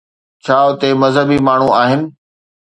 ڇا اتي مذهبي ماڻهو آهن؟